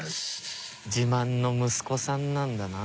自慢の息子さんなんだな。